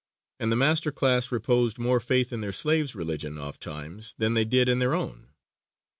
And the master class reposed more faith in their slaves' religion ofttimes than they did in their own.